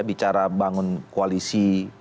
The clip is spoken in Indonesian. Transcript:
bicara bangun koalisi